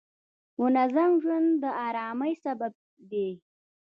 منظم ژوند د آرامۍ سبب دی.